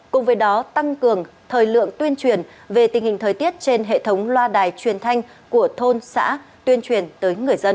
cùng với đó tăng cường thời lượng tuyên truyền về tình hình thời tiết trên hệ thống loa đài truyền thanh của thôn xã tuyên truyền tới người dân